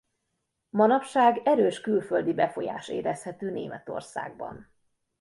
Manapság erős külföldi befolyás érezhető Németországban.